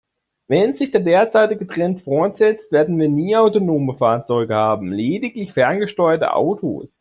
Wenn sich der derzeitige Trend fortsetzt, werden wir nie autonome Fahrzeuge haben, lediglich ferngesteuerte Autos.